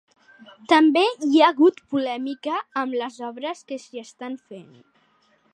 També hi ha hagut polèmica amb les obres que s’hi estan fent.